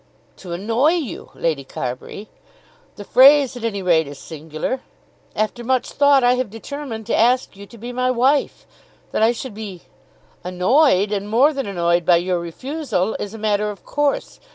"To annoy you, Lady Carbury! The phrase at any rate is singular. After much thought I have determined to ask you to be my wife. That I should be annoyed, and more than annoyed by your refusal, is a matter of course.